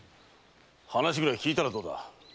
話くらい聞いたらどうだ？